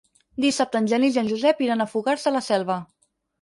Dissabte en Genís i en Josep iran a Fogars de la Selva.